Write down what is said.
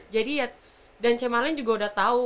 jadi ya dan ce marlien juga udah tau